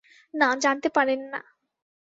না, জানতে পারেন না।